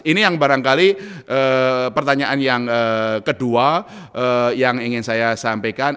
ini yang barangkali pertanyaan yang kedua yang ingin saya sampaikan